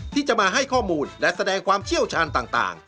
ที่จะมาให้ข้อมูลและแสดงความเชี่ยวชาญต่าง